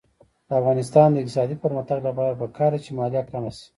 د افغانستان د اقتصادي پرمختګ لپاره پکار ده چې مالیه کمه شي.